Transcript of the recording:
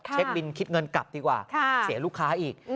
เช็คบินคิดเงินกลับดีกว่าเสียลูกค้าอีก